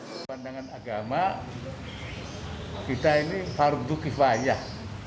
dari pandangan agama kita ini harus kifayah